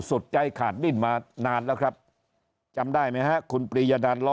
สุดใจขาดดิ้นมานานแล้วครับจำได้ไหมฮะคุณปริยดานล้อ